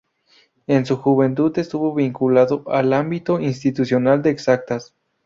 En su juventud estuvo vinculado al ámbito institucional de Exactas.